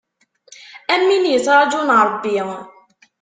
Am win yettraǧun Ṛebbi.